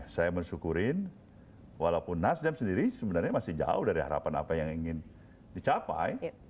saya mensyukurin walaupun nasdem sendiri sebenarnya masih jauh dari harapan apa yang ingin dicapai